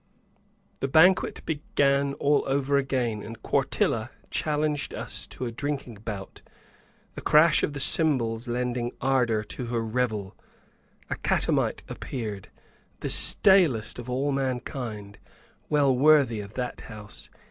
The banquet began all over again, and Quartilla challenged us to a drinking bout, the crash of the cymbals lending ardor to her revel. A catamite appeared, the stalest of all mankind, well worthy of that house.